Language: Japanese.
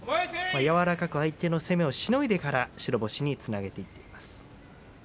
やわらかく相手の攻めをしのいでから白星につなげています。